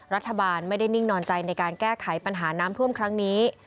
รัฐบาลไม่ได้นิ่งนอนใจในการแก้ไขปัญหาน้ำท่วมครั้งนี้